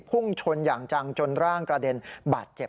พุ่งชนอย่างจังจนร่างกระเด็นบาดเจ็บ